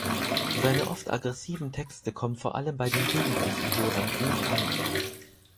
Seine oft aggressiven Texte kommen vor allem bei den jugendlichen Hörern gut an.